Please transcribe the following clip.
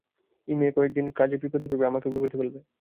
ই মেয়ে কদিন নিজে বিপদে পড়বে, আমাকেও বিপদে ফেলবে।